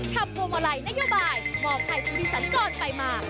ทำวงมาลัยนัยโยบายมอบให้ชุมพิสันจอดไปมา